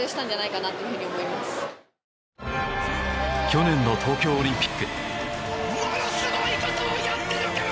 去年の東京オリンピック。